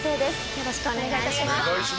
よろしくお願いします。